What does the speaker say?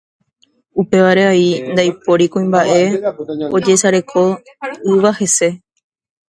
upévare avei ndaipóri kuimba'e ojesareko'ỹva hese.